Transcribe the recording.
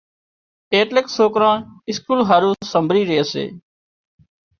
ايٽليڪ سوڪران اسڪول هارُو سمڀرِي ري سي۔